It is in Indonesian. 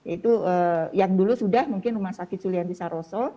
itu yang dulu sudah mungkin rumah sakit sulianti saroso